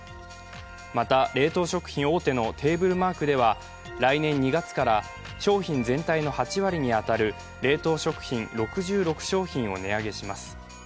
また、冷凍食品大手のテーブルマークでは来年２月から、商品全体の８割に当たる冷凍食品６６商品を値上げします。